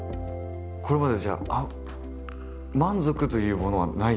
これまでじゃあ満足というものはないですか？